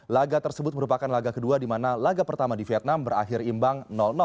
laga tersebut merupakan laga kedua di mana laga pertama di vietnam berakhir imbang